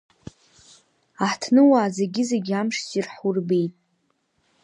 Аҳҭныуаа зегьы-зегьы амш ссир ҳурбеит!